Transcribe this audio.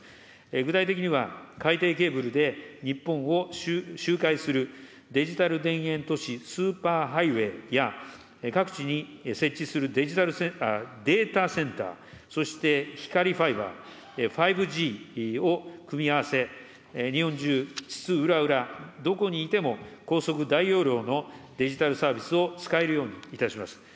具体的には、海底ケーブルで日本を周回するデジタル田園都市スーパーハイウェイや、各地に設置するデータセンター、そして光ファイバー、５Ｇを組み合わせ、日本中津々浦々どこにいても高速大容量のデジタルサービスを使えるようにいたします。